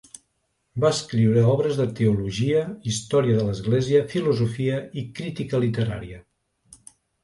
Va escriure obres de teologia, Història de l'església, filosofia i crítica literària.